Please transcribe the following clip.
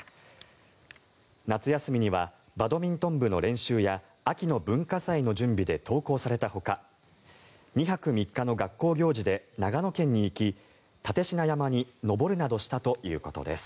夏休みにはバドミントン部の練習や秋の文化祭の準備で登校されたほか２泊３日の学校行事で長野県に行き蓼科山に登るなどしたということです。